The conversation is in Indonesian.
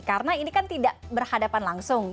karena ini kan tidak berhadapan langsung